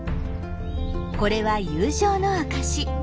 これは友情の証し。